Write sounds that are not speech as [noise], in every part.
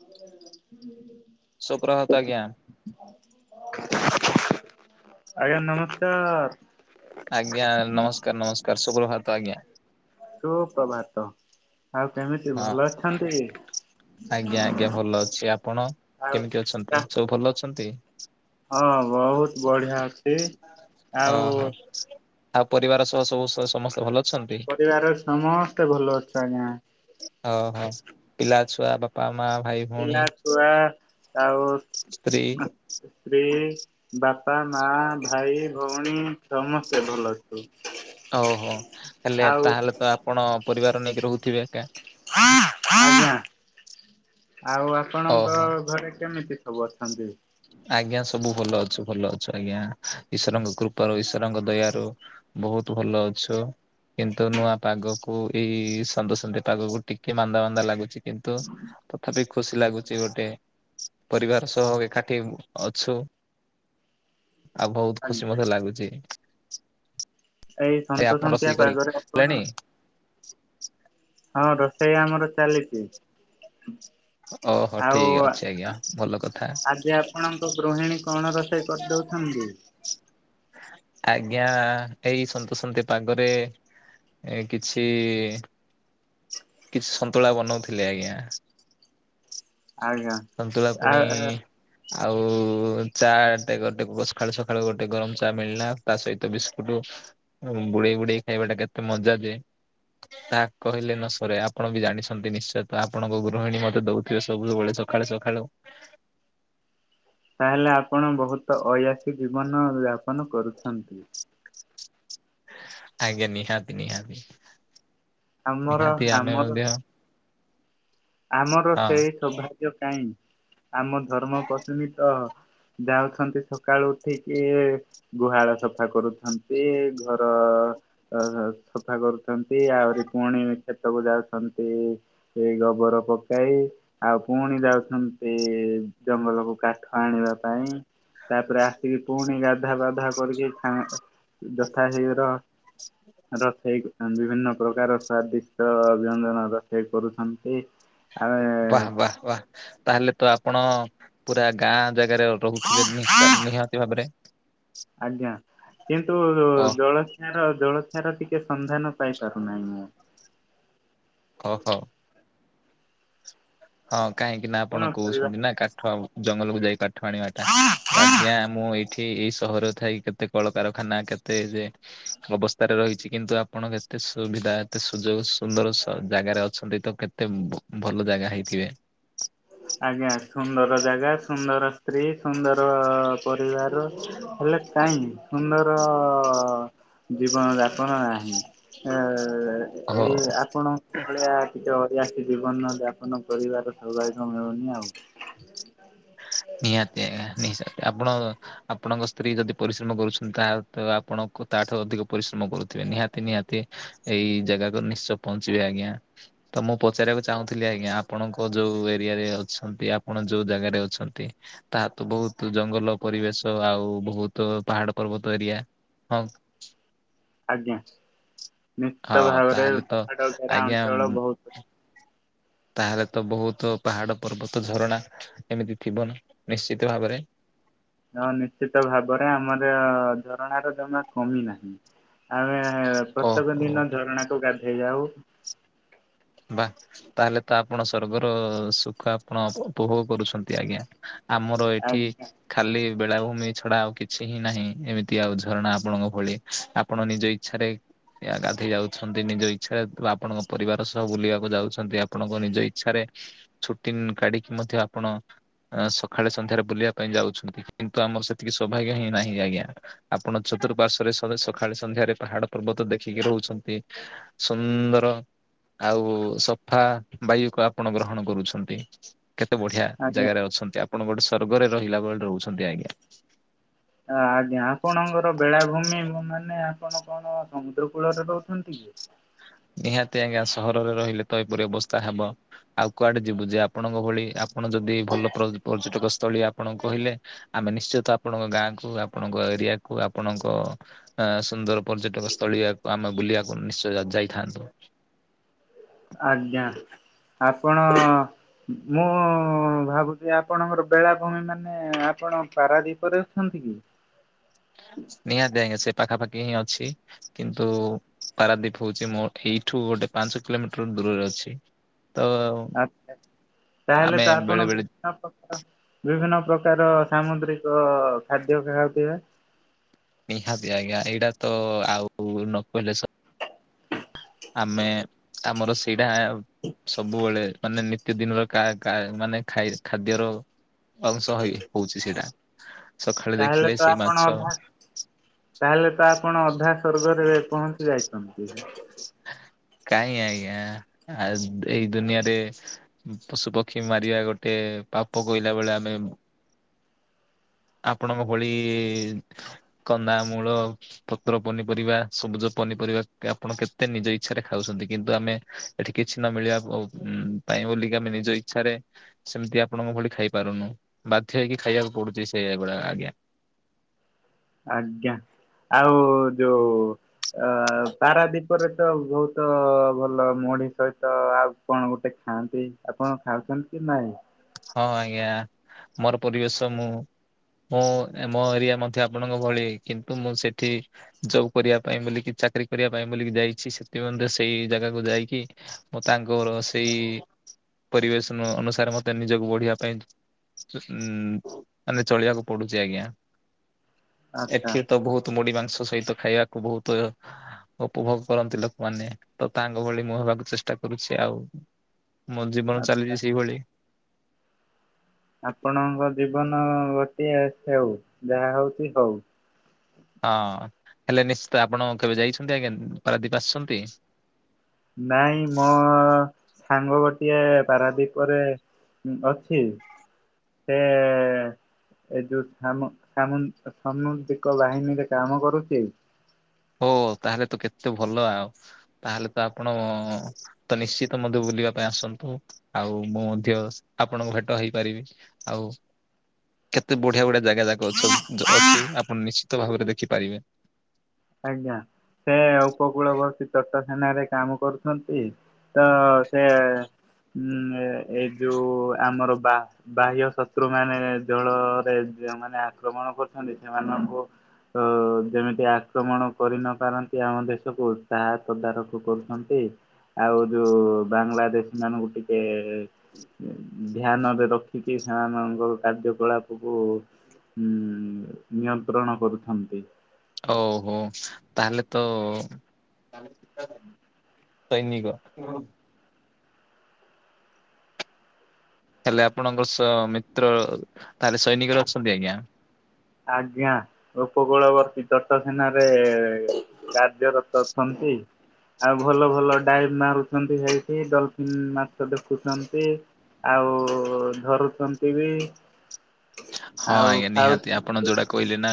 [inaudible] ସୁପ୍ରଭାତ ଆଜ୍ଞା। ଆଜ୍ଞା ନମସ୍କାର। ଆଜ୍ଞା ନମସ୍କାର ନମସ୍କାର ସୁୁପ୍ରଭାତ ଆଜ୍ଞା। ଶୁ ପ୍ରଭାତ। ଆଉ କେମିତି ହଁ ଆଜ୍ଞା ଆଜ୍ଞା ଭଲ ଅଛି ଆପଣ ଆଉ କେମିତି ଅଛନ୍ତି? ସବୁ ଭଲ ଅଛନ୍ତି? ହଁ ବହୁତ୍ ବଢ଼ିଆ ଅଛି। ଆଉ ଓହୋ, ଆଉ ପରିବାର ସହ ସବୁ ସମସ୍ତେ ଭଲ ଅଛନ୍ତି? ପରିବାର ସମସ୍ତେ ଭଲ ଅଛୁ ଆଜ୍ଞା। ଓହୋ ପିଲା, ଛୁଆ, ବାପା, ମା, ଭାଇ ଭଉଣୀ ପିଲା, ଛୁଆ ଆଉ ସ୍ତ୍ରୀ ସ୍ତ୍ରୀ, ବାପା, ମା, ଭାଇ, ଭଉଣୀ, ସମସ୍ତେ ଭଲ ଅ ହୁଁ। ଓହୋ, ହେଲେ ତାହେଲେତ ଆପଣ ପରିବାର ନେଇକି ରହୁଥିବେ ଆକା। ଆଜ୍ଞା ଆଉ ଆପଣଙ୍କ ଓହୋ। ଘରେ କେମିତି ସବୁ ଅଛନ୍ତି? ଆଜ୍ଞା ସବୁ ଭଲ ଅଛୁ, ଭଲ ଅଛୁ ଆଜ୍ଞା ଈସ୍ଵରଙ୍କ କୃପାରୁ ଈଶ୍ୱରଙ୍କ ଦୟାରୁ ବହୁତ୍ ଭଲ ଅଛୁ। କିନ୍ତୁ ନୂଆ ପାଗକୁ, ଏଇ ସନ୍ଦୁସନ୍ତି ପାଗକୁ ଟିକେ ମାନ୍ଦା ମାନ୍ଦା ଲାଗୁଚି କିନ୍ତୁ ତଥାପି ଖୁସି ଲାଗୁଚି ଗୋଟେ ପରିବାର ସହ ଏକାଠି ଅଛୁ। ଆଉ ବହୁତ୍ ଖୁସି ଆଜ୍ଞା। ମତେ ଲାଗୁଚି। ଏଇ ସନ୍ତସନ୍ତିଆ ପାଗରେ କଲେଣି ଆପଣ ହଁ ରୋଷେଇ ଆମର ଚାଲିଚି। ଓହୋ ଠିକ୍ ଅଛି ଆଜ୍ଞା ଭଲ କଥା ଆଜି ଆପଣଙ୍କ ଗୃହିଣୀ କଣ ରୋଷେଇ କରିଦଉଛନ୍ତି? ଆଜ୍ଞା ଏଇ ସନ୍ତସନ୍ତିଆ ପାଗରେ ଏ କିଛି, କିଛି ସନ୍ତୁଳା ବନଉଥିଲେ ଆଜ୍ଞା। ଆଜ୍ଞା। ସନ୍ତୁଳା ଆ ପୁଣି ଆଉ ଚାଟେ ଗୋଟେ ସକାଳୁ ସକାଳୁ ଗୋଟେ ଗରମ ଚା ମିଳିଲା ତା ସହିତ ବିସ୍କୁଟ। ବୁଡେଇ ବୁଡେଇ ଖାଇବା ଟା କେତେ ମଜା ଯେ। ତା କହିଲେ ନ ସରେ ଆପଣ ବି ଜାଣିଛନ୍ତି, ନିଶ୍ଚୟ ତ ଆପଣଙ୍କ ଗୃହିଣୀ ମୋତେ ଦଉଥିବେ ସବୁୁ ବଳେ ତ। ସକାଳୁ ସକାଳୁ। ତାହେଲେ ଆପଣ ବହୁତ ଅୟାସୀ ଜୀବନ ଯାପନ କରୁଛନ୍ତି। ଆଜ୍ଞା ନିହାତି ନିହାତି। ଆମର ନିହାତି ଆମେ ଆମର ମଧ୍ୟ ଆମର ହଁ ସେଇ ସୌଭାଗ୍ୟ କହିଁ। ଆମ ଧର୍ମ ପତ୍ନୀ ତ ଯାଉଛନ୍ତି ସକାଳୁ ଉଠିକି ଗୁହାଳ ସଫା କରୁଛନ୍ତି ସେ ଘର ସଫା କରୁନ୍ତି ଆହୁରି ପୁଣି କ୍ଷେତକୁ ଯାଉଛନ୍ତି, ଏ ଗୋବର ପକାଇ ଆଉ ପୁଣି ଯାଉଛନ୍ତି, ଜଙ୍ଗଲକୁୁ କାଠ ଆଣିବା ପାଇଁ। ତାପରେ ଆସିକି ପୁଣି ଗାଧା ବାଧା କରିକି ଖ ଯଥା ଶୀଘ୍ର ରଷେଇ ବିଭିନ୍ନ ପ୍ରକାର ସ୍ଵାଦିଷ୍ଟ ବ୍ୟଞ୍ଜନ ରୋଷେଇ କରୁଛନ୍ତି। ଆମେ ବାହା ବାହା ବାଃ ତାହେଲେ ତ ଆପଣ ପୁରା ଗାଁ ଜାଗାରେ ରହୁଥିବେ ନି ନିହାତି ଭାବରେ। ଆଜ୍ଞା କିନ୍ତୁ ଓ ଜଳ ଆର ଜଳଛାୟାର ଟିକେ ସନ୍ଧାନ ପାଇ ପାରୁନାହିଁ ମୁଁ। ଓହୋ। ହଁ କାହିଁକି ନା ଆପଣ କଣ କରିବା କହୁଛନ୍ତି ନା କାଠ ଜଙ୍ଗଲକୁ ଯାଇ କାଠ। ଣିବା ଟା ଆଜ୍ଞା। ମୁଁ ଏଇଠି ଏଇ ସହର ଥାଇ କେତେ କଳକାରଖାନା। କେତେ ଯେ ଅବସ୍ଥାରେ ରହିଛି କିନ୍ତୁ ଆପଣ କେତେ ସୁବିଧା ଏତେ ସୁଯୋଗ ସୁନ୍ଦର ଜାଗାରେ ଅଛନ୍ତି ତ। କେତେ ଏତେ ଭଲ ଜାଗା ହେଇଥିବେ। ଆଜ୍ଞା ସୁନ୍ଦର ଜାଗା, ସୁନ୍ଦର ସ୍ତ୍ରୀ, ସୁନ୍ଦର ପରିବାର, ହେଲେ କାଇଁ ସୁନ୍ଦର ଜୀବନ ଯାପନ ନାହିଁ। ଏ ଏ [inaudible] ଓହୋ ଏଇ ଆପଣଙ୍କ ଭଳିଆ ଟିକେ ଅୟାସି ଜୀବନ ଯାପନ କରିବାର ସୋଭା- ଭାଗ୍ୟ ମିଳୁନି ଆଉ। ନିହାତିଆଜ୍ଞା ନିହାତି ଆପଣ ଆପଣଙ୍କ ସ୍ତ୍ରୀ ଯଦି ପରିଶ୍ରମ କରୁଛନ୍ତି ତା ଆପଣ ତାଠାରୁ ଅଧିକ ପରିଶ୍ରମ କରୁଥିବେ ନିହାତି ନିହାତି। ଏଇ ଜାଗାତ ନିଶ୍ଚୟ ପହଞ୍ଚିବେ ଆଜ୍ଞା। ତ ମୁଁ ପଚାରିବାକୁ ଚାହୁଁଥିଲି ଆଜ୍ଞା ଆପଣଙ୍କ ଯୋଉ ଏରିଆରେ ଅଛନ୍ତି ଆପଣ ଯୋଉ ଜାଗାରେ ଅଛନ୍ତି। ତାହା ତ ବହୁତ ଜଙ୍ଗଲ ପରିବେଶ ଆଉ ବହୁତ ପାହାଡ ପର୍ବତ ଏରିଆ। ହଁ। ଆଜ୍ଞା ହଁ ନିଶ୍ଚିତ ଭାବରେ ତାହେଲେ ତ ପାହାଡ ଘେରା ଆଜ୍ଞା ଅଞ୍ଚଳ ବହୁତ ତାହେଲେ ତ ବହୁତ ପାହାଡ ପର୍ବତ ଝରଣା ଏମିତି ଥିବନା ନିଶ୍ଚିତ ଭାବରେ। ହଁ ନିଶ୍ଚିତ ଭାବରେ ଆମର ଝରଣାର ଜମା କମି ନାହିଁ। ଆମେ ପ୍ରତ୍ୟେକ ଓହୋ। ଦିନ ଝରଣାକୁ ଗାଧେଇ ଯାଉ। ବାଃ ତାହେଲେ ତ ଆପଣ ସ୍ବର୍ଗର ସୁଖ ଆପଣ ଉପଭୋଗ କରୁଛନ୍ତି ଆଜ୍ଞା। ଆମର ଏଠି ଆଜ୍ଞା। ଖାଲି ବେଳାଭୂମି ଛଡା ଆଉ କିଛି ହିଁ ନାହିଁ ଏମିତି ଆଉ ଝରଣା ଆପଣଙ୍କ ଭଳି ଆପଣ ନିଜ ଇଚ୍ଛାରେ ଗାଧେଇ ଯାଉଛନ୍ତି ନିଜ ଇଚ୍ଛାରେ ବା ଆପଣଙ୍କ ପରିବାର ବୁ ବୁଲିବାକୁ ଯାଉଛନ୍ତି ଆପଣଙ୍କ ନିଜ ଇଚ୍ଛାରେ ଛୁଟି କାଢିକି ମଧ୍ୟ ଆପଣ ସକାଳେ ସନ୍ଧ୍ୟାରେ ବୁଲିବା ପାଇଁ ଯାଉଛନ୍ତି କିନ୍ତୁ ଆମର ସେତିକି ସୌଭାଗ୍ୟ ହିନାହିଁ ଆଜ୍ଞା। ଆପଣ ଚତୁର୍ଃପାଶ୍ବରେ ସକାଳେ ସନ୍ଧ୍ୟାରେ ପାହାଡ ପର୍ବତ ଦେଖିକି ରହୁଛନ୍ତି। ସୁନ୍ଦର ଆଉ ସଫା ବାୟୁକୁ ଆପଣ ଗ୍ରହଣ କରୁଛନ୍ତି। କେତେ ବଢିଆ ଆଜ୍ଞା ଜାଗାରେ ଅଛନ୍ତି ଆପଣ ଗୋଟେ ସ୍ବର୍ଗରେ ରହିଲା ଭଳି ରହୁଛନ୍ତି ଆଜ୍ଞା। ଆଜ୍ଞା ଆପଣଙ୍କର ବେଳାଭୂମି ମାନେ ଆପଣ କଣ ସମୁଦ୍ର କୂଳରେ ରହୁ ଛନ୍ତି କି ନିହାତି ଆଜ୍ଞା ସହରରେ ରହିଲେ ତ ଏପରି ଅବସ୍ଥା ହବ। ଆଉ କୁଆଡେ ଯିବୁ ଯେ ଆପଣଙ୍କ ଭଳି ଆପଣ ଯଦି ଭଲ ପ୍ର ପର୍ଯ୍ୟଟକ ସ୍ଥଳୀ ଆପଣ କହିଲେ ଆମେ ନିଶ୍ଚିତ ଆପଣଙ୍କ ଗାଁ କୁ ଆପଣଙ୍କ ଏରିଆକୁ ଆପଣଙ୍କ ଆଁ ସୁନ୍ଦର ପର୍ଯ୍ୟଟକ ସ୍ଥଳୀ ଆ ଆମେ ବୁଲିବାକୁ ନିଶ୍ଚୟ ଯାଇଥାନ୍ତୁ। ଆଜ୍ଞା ଆପଣ ମୁଁ ଭାବୁ ଥିଲି ଆପଣଙ୍କର ବେଳାଭୂମି ମାନେ ଆପଣ ପାରାଦୀପରେ ଅଛନ୍ତି କି? ନିହାତି ଆଜ୍ଞା ସେ ପାଖାପାଖି ହିଁ ଅଛି। କିନ୍ତୁ ପାରାଦୀପ ହଉଛି ମୋ ଏଇଠୁ ଗୋଟେ ପାଞ୍ଚ କିଲୋମିଟର ଦୂରରେ ଅଛି। ତ ଆଚ୍ଛା ତାହେଲେ ଆମେ ତ ବେଳେ ଆପଣ ବେଳେ [unintelligible] ବିଭିନ୍ନ ପ୍ରକାର ସାମୁଦ୍ରିକ ଖାଦ୍ୟ ଖାଉଥିବେ। ନିହାତି ଆଜ୍ଞା ଏଇଟା ତ ଆଉ ନ କହିଲେ ସ ଆମେ ଆମର ସେଇଟା ସବୁବେଳେ ମାନେ ନିତି ଦିନର ଖା ଖା ମାନେ ଖାଇ ଖାଦ୍ୟର ଅଂଶ ହେଇ ହଉଛି ସେଇଟା ସକାଳେ ତାହେଲେ ଦେଖିଲେ ତ ସେଇ ଆପଣ ମାଛ ଅଧା ତାହେଲେ ତ ଆପଣ ଅଧା ସ୍ବର୍ଗରେ ପହଞ୍ଚି ଯାଇଛନ୍ତି। କାହିଁ ଆଜ୍ଞା ଏଇ ଦୁନିଆରେ ପଶୁ ପକ୍ଷୀ ମାରିବା ଗୋଟେ ପାପ କଇଲା ଭଳିଆ ଆମେ ଆପଣଙ୍କ ଭଳି କନ୍ଦାମୂଳ ପତ୍ର ପନିପରିବା ସବୁଜ ପନିପରିବା ଆପଣ କେତେ ନିଜ ଇଚ୍ଛାରେ ଖାଉଛନ୍ତି କିନ୍ତୁ ଆମେ ଏଠି କିଛି ନ ମିଳିବା ପାଇଁ ବୋଲିକି ଆମେ ନିଜ ଇଚ୍ଛାରେ ସେମିତି ଆପଣଙ୍କ ଭଳି ଖାଇ ପାରୁନୁ ବାଧ୍ୟ ହେଇକି ଖାଇବାକୁ ପଡୁଛି ସେ ଭଳିଆ ଆଜ୍ଞା। ଆଜ୍ଞା ଆଉ ଯୋଉ ଅ ପାରାଦୀପରେ ତ ବହୁତ ଭଲ ମଢି ସହିତ ଆଉ କଣ ଗୋଟେ ଖାଆନ୍ତି ଆପଣ ଖାଉଛନ୍ତିକି ନାଇଁ। ହଁ ଆଜ୍ଞା ମୋର ପରିବେଶ ମୁଁ ମୁଁ ମୋ ଏରିଆ ମଧ୍ୟ ଆପଣଙ୍କ ଭଳି କିନ୍ତୁ ମୁଁ ସେଠି ଜବ କରିବା ପାଇଁ ବୋଲିକି ଚାକିରୀ କରିବା ପାଇଁ ବୋଲିକି ଯାଇଛି ସେଥିମ ସେଇ ଜାଗାକୁ ଯାଇକି ମୁଁ ତାଙ୍କର ସେଇ ପରିବେଶନ ଅନୁସାରେ ମ ତେ ନିଜକୁ ବଢିବା ପାଇଁ ଉଁ ମାନେ ଚଳିବାକୁ ପଡୁଛି ଆଜ୍ଞା। ଆଚ୍ଛା ଏଠି ତ ବହୁତ ମୁଢି ମାଂସ ସହିତ ଖାଇବାକୁ ବହୁତ ଉପଭୋଗ କରନ୍ତି ଲୋକମାନେ ତ ତାଙ୍କ ଭଳି ମୁଁ ହେବାକୁ ଚେଷ୍ଟା କରୁଛି ଆଉ। ମୋ ଜୀବନ ଆଚ୍ଛା। ଚାଲିଛି ସେଇଭଳି। ଆପଣଙ୍କ ଜୀବନ ଗୋଟିଏ ସେଉ ଯାହା ହଉଛି ହଉ। ହଁ ହେଲେ ନିଶ୍ଚିତ ଆପଣ କେବେ ଯାଇଛନ୍ତି ଆଜ୍ଞା ପାରାଦୀପ ଆସିଛନ୍ତି। ନାଇଁ ମୋ ସାଙ୍ଗ ଗୋଟିଏ ପାରାଦୀପରେ ଅଛି ସେ ଏ ଯୋଉ ସାମୁ ସାମୁ ସାମୁଦ୍ରିକ ବାହିନୀରେ କାମ କରୁଛି। ଓ ତାହେଲେ ତ କେତେ ଭଲ ଆଉ ତାହେଲେ ତ ଆପଣ। ତ ନିଶ୍ଚିତ ମଧ୍ୟ ବୁଲିବା ପାଇଁ ଆସନ୍ତୁ ଆଉ ମୁଁ ମଧ୍ୟ ଆପଣଙ୍କ ଭେଟ ହେଇପାରିବି। ଆଉ। କେତେ ବଢିଆ, ବଢିଆ ଜାଗା ଯାକ ଅଛ ଅଛି ଆପଣ ନିଶ୍ଚିତ ଭାବରେ ଦେଖିପାରିବେ। ଆଜ୍ଞା ସେ ଉପକୂଳବର୍ତ୍ତୀ ତଟ। ଥାନାରେ କାମ କରୁଛନ୍ତି ତ ସେ ଉଁ। ଏ ଏଇ ଯୋଉ ଆମର ବା। ବାହ୍ୟ ଶତ୍ରୁ ମାନେ ଜଳରେ ଯୋଉମାନେ ଆକ୍ରମଣ କରୁଛନ୍ତି ସେମାନଙ୍କୁ। ତୋ ଯେମିତି ଆକ। ଆକ୍ରମଣ କରିନପାରନ୍ତି ଆମ ଦେଶକୁ ତାହା ତଦାରଖ କରୁଛନ୍ତି। ଆଉ ଯୋଉ ବାଙ୍ଗାଲା ଦେଶୀ ମାନଙ୍କୁ ଟିକେ। ଧ୍ୟାନରେ ରଖିକି ସେମାନଙ୍କର କାର୍ଯ୍ୟକଳାପକୁ। ହୁଁ ନିୟନ୍ତ୍ରଣ କରୁଛନ୍ତି। ଓହୋ ତାହେଲେ ତ। ତାହେଲେ ଶୀତରେ ସୈନିକ ଉଁ। ହେଲେ ଆପଣଙ୍କର ସ ମିତ୍ର ତାହେଲେ ସୈନିକରେ ଅଛନ୍ତି ଆଜ୍ଞା। ଆଜ୍ଞା। ଉପକୂଳବର୍ତ୍ତୀ ତଟ ସେନାରେ କାର୍ଯ୍ୟରତ ଅଛନ୍ତି। ଆଉ ଭଲ, ଭଲ ଡାଇଭି ମାରୁଛନ୍ତି ସେଇଠି ଡଲଫିନ୍ ମାଛ ଦେଖୁଛନ୍ତି। ଆଉ ଧରୁଛନ୍ତି ବି। ହଁ ଆଉ ଆଜ୍ଞା ନିହାତି ଆପଣ ଖାଉଛନ୍ତି ଯୋଉଟା। କହିଲେ ନା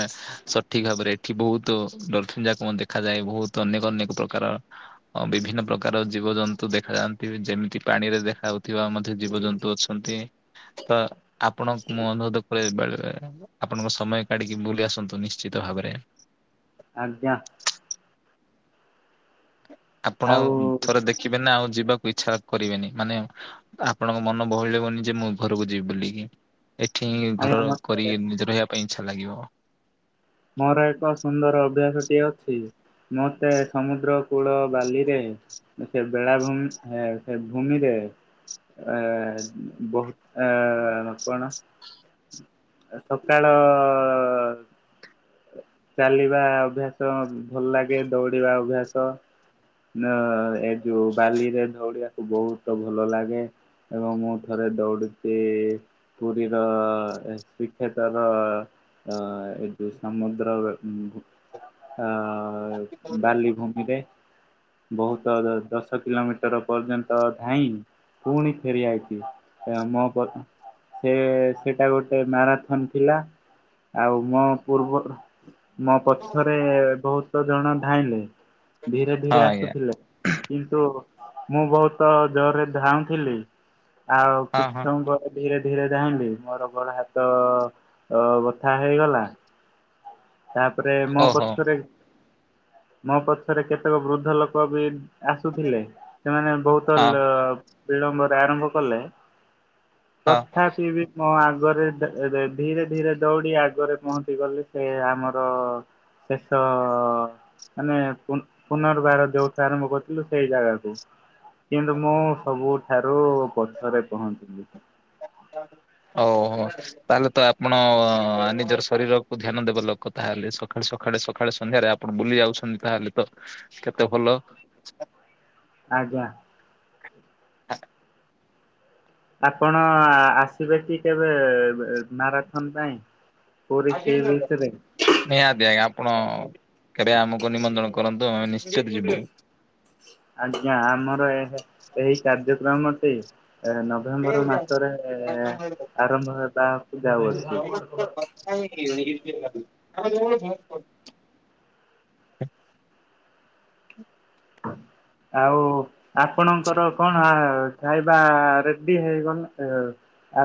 ସଠିକ ଭାବରେ ଏଠି ବହୁତୁ ଡଲଫିନି ଯାକ ଦେଖାଯାଏ ବହୁତୁ ଅନେକ, ଅନେକ ପ୍ରକାର। ଅ ବିଭିନ୍ନ ପ୍ରକାର ଜୀବଜନ୍ତୁ ଦେଖା ଯାଆନ୍ତି ବି ଯେମିତି ପାଣିରେ ଦେଖାଯାଉଥିବା ମଧ୍ୟ ଜୀବଜନ୍ତୁ ଅଛ। ଛନ୍ତି ତ‌। ଆପଣଙ୍କୁ ମୁଁ ଅନୁରୋଧ କରେ ବେଳେବେଳେ ଆପଣଙ୍କ ସମୟ କାଢିକି ବୁଲି ଆସନ୍ତୁ ନିଶ୍ଚିତ ଭାବରେ। ଆଜ୍ଞା। ଆପଣ ଆଉ ଥରେ ଦେଖିବେ ନା ଆଉ ଯିବାକୁ ଇଚ୍ଛା କରିବେନି ମାନେ। ଆପଣଙ୍କ ମନ ବହିଳିବନି ଯେ ମୁଁ ଘରକୁ ଯିବି ବୁଲିକି। ଏଠିି ଘର ଆଜ୍ଞା କରି ମତେ ନିଜେ ରହିବା ପାଇଁ ଇଚ୍ଛା ଲାଗିବ। ମୋର ଏକ ସୁନ୍ଦର ଅଭ୍ୟାସଟି ଏ ଅଛି। ମତେ ସମୁଦ୍ରକୂଳ ବାଲିରେ। ସେ ବେଳାଭୂିମି ଏ ସେ ଭୂମିରେ। ଏ ବହୁତୁ ଏ କ'ଣ। ଏ ସକାଳ। ଚାଲିବା ଅଭ୍ୟାସ ଭଲ ଲାଗେ ଦୌଡିବା ଅଭ୍ୟାସ। ନା ଏ ଯୋଉ ବାଲିରେ ଦଉଡିବାକୁ ବହୁତ ଭଲ ଲାଗେ। ଏବଂ ମୁଁ ଥରେ ଦୌଡୁଛି। ପୁରୀର ଶ୍ରୀ କ୍ଷେତ୍ରର ଅ ଏ ଯୋ। ସମୁଦ୍ର ବୁ ଅ ବାଲିଭୂମିରେ। ବହୁତ ଦଶ କିଲୋମିଟର ପର୍ଯ୍ୟନ୍ତ ଧାଇଁ। ପୁଣି ଫେରିଆଇଛି ଏ ମୋ ପଟୁ। ସେ ସେଇଟା ଗୋଟେ ମାରାଥନ୍ ଥିଲା ଆଉ ମୋ ପୂର୍ବରୁ। ମୋ ପଛରେ ବହୁତ ଜଣ ଧାଇଁଲେ ଧୀରେ ଧୀରେ ଆ। ଆଜ୍ଞା କିନ୍ତୁ ମୁଁ ବହୁତ ଜୋରରେ ଧାଉଥିଲି। ଆଉ କିଛି ହଁ ହଁ। ସମୟ ପରେ। ଧୀରେ ଧୀରେ ଜାଣିଲି ମୋର ଗୋଡ ହାତ ବଥା ହେଇଗଲା ତାପରେ ମୋ ଓହୋ ପଛରେ ମୋ ପଛରେ କେତେକ ବୃଦ୍ଧ ଲୋକ ବି ଆସୁଥିଲେ। ସେମାନେ ବହୁତ ହଁ ବିଳମ୍ବରେ ଆରମ୍ଭ କଲେ। ହଁ ତଥାପି ବି ମୁଁ ଆଗରେ ଧୀରେ ଧୀରେ ଦୌଡି ଆଗରେ ପହଞ୍ଚିଗଲେ। ସେ ଆମର ଶେଷ ମାନେ ପୁନର୍ବାର ଯୋଉଠୁ ଆରମ୍ଭ କରିଥିଲୁ ସେଇ ଜାଗାକୁ କିନ୍ତୁ ମୁଁ ସବୁଠାରୁ ପଛରେ ପହଞ୍ଚିଲି। ଓହୋ। ତାହେଲେ ତ ଆପଣ ନିଜର ଶରୀରକୁୁ ଧ୍ୟାନ ଦେବା ଲୋକ ତାହେଲେ, ସକାଳେ ସକାଳେ ସକାଳେ ସନ୍ଧ୍ୟାରେ ଆପଣ ବୁଲି ଯାଉଛନ୍ତି ତାହେଲେ ତ। କେତେ ଭଲ ଆଜ୍ଞା। ଆପଣ ଆସିବେ କି କେବେ? ମାରାଥନ୍ ପାଇଁ? ପୁରୀ ଆଜନ ସି କରଦ ବିଚ୍ [unintelligible] ରେ ନିହାତି ଆଜ୍ଞା। ଆପଣ କେବେ ଆମକୁ ନିମନ୍ତ୍ରଣ କରନ୍ତୁ। ଆମେ ନିଶ୍ଚିତ ଯିବୁ। ଆଜ୍ଞା। ଆମର ଏଇ ଏହି କାର୍ଯ୍ୟକ୍ରମଟି ନଭେମ୍ବର ମାସରେ ଆରମ୍ଭ ହେବା, [unintelligible] ପୂଜାଛି [unintelligible] ଆଉ ଆପଣଙ୍କର କଣ? ଖାଇବା ରେଡି ହେଇଗଲା,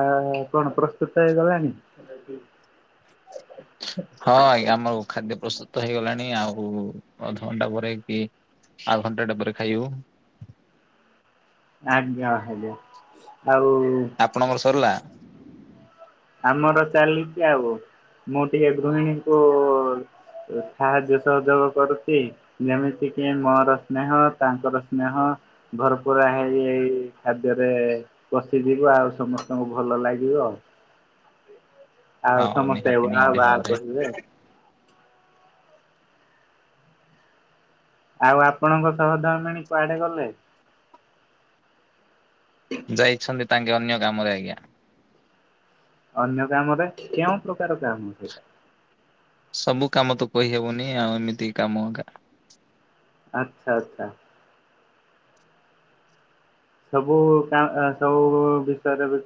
ଆ କଣ ପ୍ରସ୍ତୁତ ହେଇଗଲାଣି? ଆଥାକି [unintelligible] ହଁ ଆଜ୍ଞା। ଆମର ଖାଦ୍ୟ ପ୍ରସ୍ତୁତ ହେଇଗଲାଣି। ଆଉ ଅଧଘଣ୍ଟା ପରେ କି ଆଉ ଘଣ୍ଟାଟେ ପରେ ଖାଇବୁ। ଆଜ୍ଞା। ହେଲେ ଆଉ ଆପଣଙ୍କର ସରିଲା? ଆମର ଚାଲିଛି ଆଉ, ମୁଁ ଟିକେ ଗୃହିଣୀକୁ ସାହାଯ୍ୟ ସହଯୋଗ କରୁଛି। ଯେମିତିକି ମୋର ସ୍ନେହ, ତାଙ୍କର ସ୍ନେହ, ଭରପୁର ହେଇ। ଏଇ ଖାଦ୍ୟରେ ପଶିଯିବ ଆଉ, ସମସ୍ତଙ୍କୁ ଭଲ ଲାଗିବ। ହଁ ଆଉ ସମସ୍ତେ ନିହାତି ବା ନିହାତି ବା ଭାବରେ କହିବେ। ଆଉ ଆପଣଙ୍କ ସହଧର୍ମିଣୀ କୁଆଡେ ଗଲେ? ଯାଇଛନ୍ତି। ତାଙ୍କ ଅନ୍ୟ କାମରେ ଆଜ୍ଞା। ଅନ୍ୟ କାମରେ? କେଉଁ ପ୍ରକାର କାମ ସେଇଟା? ସବୁ କାମ ତ କହିହବନି? ଆଉ ଏମିତି କାମ ଅଗା ଆଚ୍ଛା। ଆଚ୍ଛା। ସବୁ କ ସବୁ ବିଷୟରେ ବି